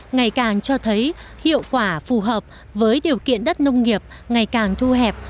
ngày càng cho thấy hiệu quả phù hợp với điều kiện đất nông nghiệp ngày càng thu hẹp